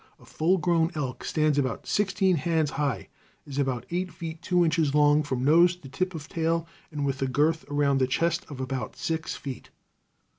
A full grown elk stands about sixteen hands high, is about eight feet two inches long from nose to tip of tail, and with a girth around the chest of about six feet.